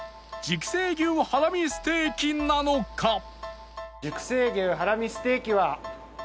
熟成牛ハラミステーキは。